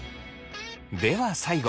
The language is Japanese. では最後。